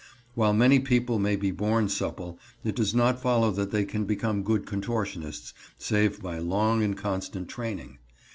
While many people may be born supple, it does not follow that they can become good contortionists, save by long and constant training.